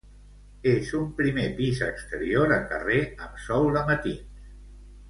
És un primer pis exterior a carrer amb sol de matins.